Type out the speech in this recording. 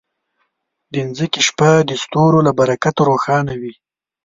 د ځمکې شپه د ستورو له برکته روښانه وي.